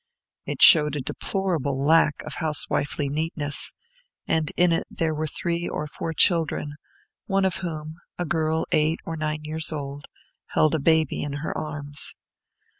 It showed a deplorable lack of housewifely neatness, and in it there were three or four children, one of whom, a girl eight or nine years old, held a baby in her arms.